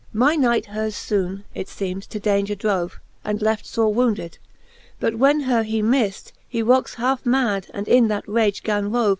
My knight hers ibone, as feemes, to daunger drove^ And left fore wounded: but when her he mift, He woxe halfe mad, and m that rage gan rove.